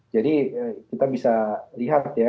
jadi kita bisa lihat ya